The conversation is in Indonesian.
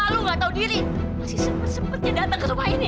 kalau lu gak tahu diri masih sempat sempatnya datang ke rumah ini